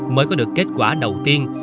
mới có được kết quả đầu tiên